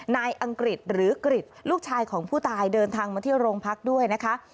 อังกฤษหรือกริจลูกชายของผู้ตายเดินทางมาที่โรงพักด้วยนะคะ